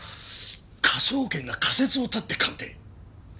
科捜研が仮説を立てて鑑定？